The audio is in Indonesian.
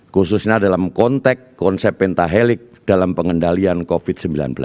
khususnya dalam konteks konsep pentahelik dalam pengendalian covid sembilan belas